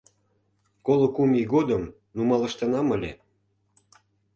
— Коло кум ий годым нумалыштынам ыле.